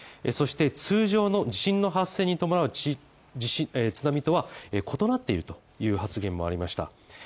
そして通常の地震の発生に伴う地震津波とは異なっているという発言もありました。